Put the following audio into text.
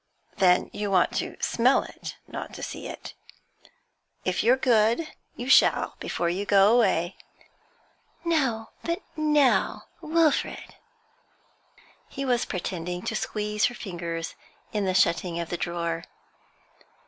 'Then you want to smell it, not to see it. If you're good, you shall before you go away.' 'No, but now! Wilfrid!' He was pretending to squeeze her fingers in the shutting of the drawer.